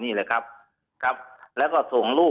ทีนี้วันอาทิตย์หยุดแล้วก็วันจันทร์ก็หยุด